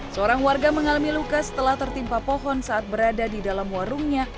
seorang warga mengalami luka setelah tertimpa pohon saat berada di dalam warungnya